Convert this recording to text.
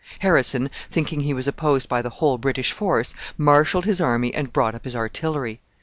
Harrison, thinking he was opposed by the whole British force, marshalled his army and brought up his artillery.